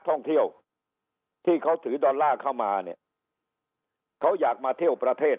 ท่องเที่ยวที่เขาถือดอลลาร์เข้ามาเนี่ยเขาอยากมาเที่ยวประเทศ